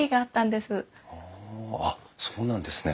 あっそうなんですね。